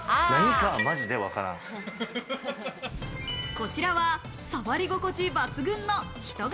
こちらは触り心地抜群の人型